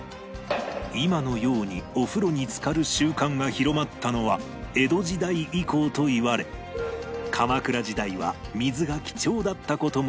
今のようにお風呂につかる習慣が広まったのは江戸時代以降といわれ鎌倉時代は水が貴重だった事もあり